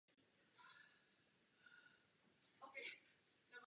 Svá domácí utkání hraje na Pocarisweat Stadium.